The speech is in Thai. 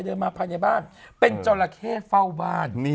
ได้หรอเก่งเนาะ